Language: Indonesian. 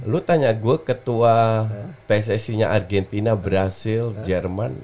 lu tanya gue ketua pssi nya argentina brazil jerman